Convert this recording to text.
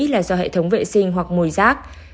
là do hệ thống vệ sinh hoặc mùi rác